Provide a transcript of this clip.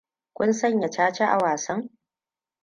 Kun sanya caca a wasan?